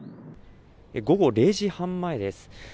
午後０時半前です。